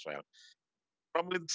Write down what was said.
silakan beri komentar